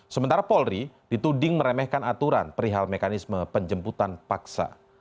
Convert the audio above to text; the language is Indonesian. sementara polri dituding meremehkan aturan perihal mekanisme penjemputan paksa